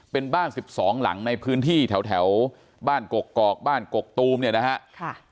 เป็นบ้าน๑๒หลังในพื้นที่แถวบ้านกกอกบ้านกกตูมเนี่ยนะฮะ